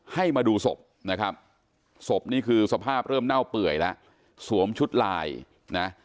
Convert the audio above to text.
ให้มาดูศพนะครับศพนี่คือสภาพเริ่มเน่าเปื่อยแล้วสวมชุดลายนะ